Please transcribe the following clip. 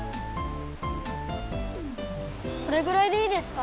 これぐらいでいいですか？